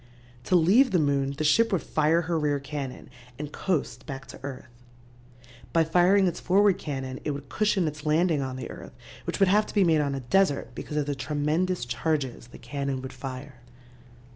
"To leave the moon the ship would fire her rear cannon and coast back to earth. By firing its forward cannon it would cushion its landing on the earth, which would have to be made on a desert, because of the tremendous charges the cannon would fire."